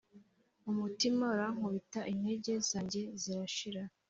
Umutima urankubita Intege zanjye zirashira